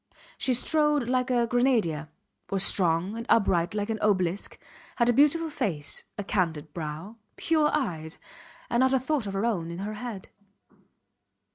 She strode like a grenadier, was strong and upright like an obelisk, had a beautiful face, a candid brow, pure eyes, and not a thought of her own in her head.